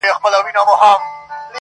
• ګوندي دی مي برابر د کور پر خوا کړي -